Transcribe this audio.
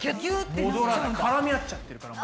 絡み合っちゃってるから。